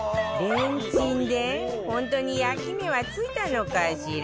レンチンで本当に焼き目はついたのかしら？